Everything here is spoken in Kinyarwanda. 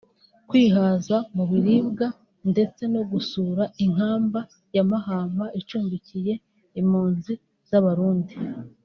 kwihaza mu biribwa ndetse no gusura Inkamba ya Mahama icumbikiye impunzi z’Abarundi